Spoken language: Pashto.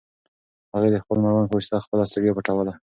هغې د خپل مړوند په واسطه خپله ستړیا پټوله.